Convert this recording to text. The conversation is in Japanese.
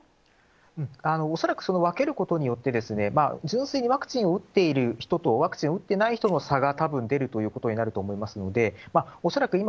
恐らく分けることによって、純粋に、ワクチンを打っている人とワクチンを打っていない人との差がたぶん出るということになると思いますので、恐らく今、